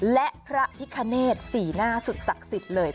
และพระพิคเนตสีหน้าสุดศักดิ์สิทธิ์เลย